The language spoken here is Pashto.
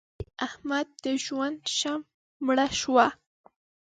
د احمد د ژوند شمع مړه شوه.